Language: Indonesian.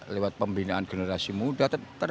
lewat pembinaan generasi muda